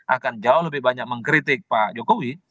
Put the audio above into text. akan jauh lebih banyak mengkritik pak jokowi